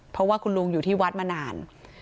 เพราะว่าคุณลุงอยู่ที่วัดมานาน